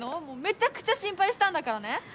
もうめちゃくちゃ心配したんだからね